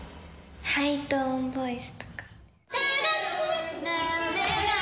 ハイトーンボイスとか。